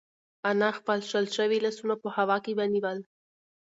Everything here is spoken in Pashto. انا خپل شل شوي لاسونه په هوا کې ونیول.